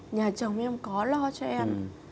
nhà chồng em có lo cho em